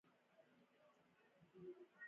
زیتون غټه دوا ده .